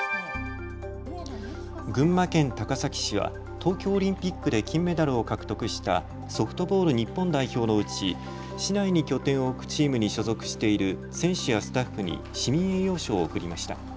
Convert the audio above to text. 群馬県高崎市は東京オリンピックで金メダルを獲得したソフトボール日本代表のうち市内に拠点を置くチームに所属している選手やスタッフに市民栄誉賞を贈りました。